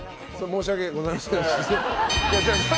申し訳ございませんでした。